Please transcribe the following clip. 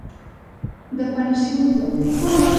De quant ha sigut l'augment?